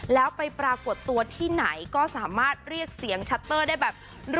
แล้วไปปรากฏตัวที่ไหนก็สามารถเรียกเสียงชัตเตอร์ได้แบบ